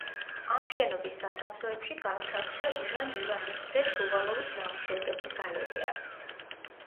ამ შენობის სათავსოებში განთავსდა ივან ივანეს ძე შუვალოვის ნამუშევრების გალერეა.